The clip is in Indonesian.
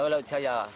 ke laut saya